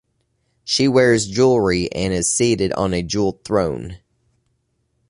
She wears jewellery and is seated on a jewelled throne.